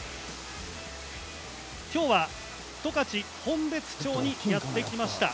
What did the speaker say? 今日は十勝の本別町にやって来ました。